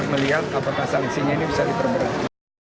melihat apakah salisinya ini bisa diperberatkan